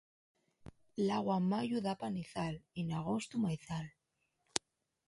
L'agua en mayu da panizal, y n'agostu maizal.